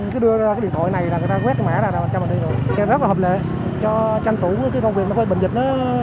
cứ đưa ra cái điện thoại này là người ta quét cái mã ra rồi cho mình đi rồi